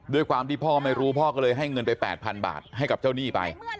ด้วยความที่พ่อไม่รู้พ่อก็เลยให้เงินไป๘๐๐๐บาทให้กับเจ้าหนี้ไป